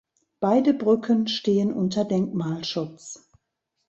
Beide Brücken stehen unter Denkmalschutz.